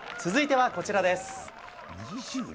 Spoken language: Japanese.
続いては、こちらです。